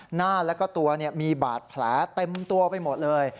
หน้าแล้วก็ตัวมีบาดแผลเต็มตัวไปหมดเลย